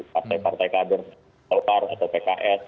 partai partai kabar atau pks